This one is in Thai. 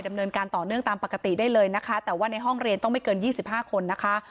เนินการต่อเนื่องตามปกติได้เลยนะคะแต่ว่าในห้องเรียนต้องไม่เกิน๒๕คนนะคะ